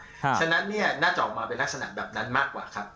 ฉะนั้นเนี่ยน่าจะออกมาเป็นลักษณะแบบนั้นมากกว่าครับ